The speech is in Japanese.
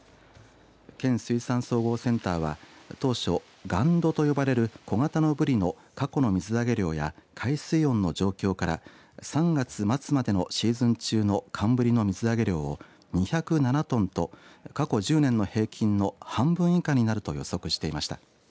県水産総合センターは当初、ガンドと呼ばれる小型のぶりの過去の水揚げ量や海水温の状況から３月末までのシーズン中の寒ぶりの水揚げ量を２０７トンと過去１０年の平均の半分以下になると予測していました。